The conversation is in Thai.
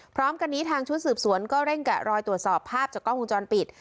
พร้อมกันนี้ทางชุดสืบสวนก็เร่งแกะรอยตรวจสอบภาพจากกล้องวงจรปิด